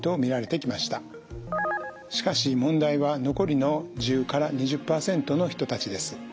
しかし問題は残りの１０から２０％の人たちです。